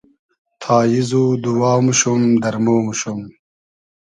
تاییز و دووا موشوم ، دئرمۉ موشوم